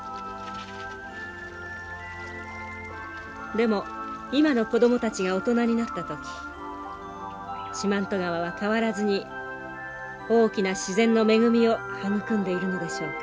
でも今の子供たちが大人になった時四万十川は変わらずに大きな自然の恵みを育んでいるのでしょうか。